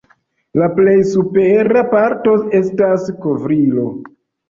La plej supera parto estas kovrilo.